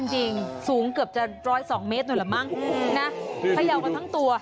จริงสูงเกือบจะ๑๐๒เมตรนู้นแหละมั้งนะพยาวกันทั้งตัว